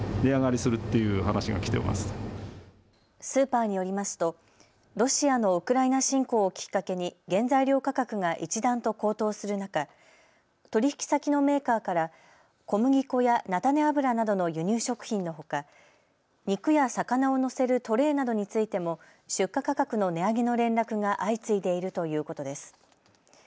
スーパーによりますとロシアのウクライナ侵攻をきっかけに原材料価格が一段と高騰する中、取引先のメーカーから小麦粉や菜種油などの輸入食品のほか肉や魚をのせるトレーなどについても出荷価格の値上げの連絡が相次いでいるということです。